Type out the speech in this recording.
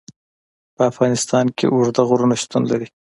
په افغانستان کې اوږده غرونه شتون لري.